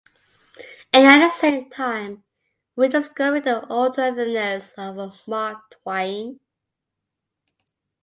And at the same time rediscovering the old earthiness of a Mark Twain.